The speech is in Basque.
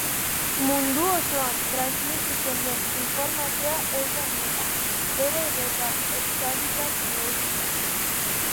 Mundu osoan transmititzen den informazioa ez da mega, tera edota exabit-ak neurtuko.